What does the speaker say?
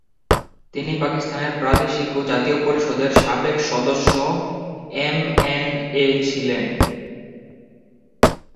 তিনি পাকিস্তানের প্রাদেশিক ও জাতীয় পরিষদের সাবেক সদস্য এমএনএ ছিলেন।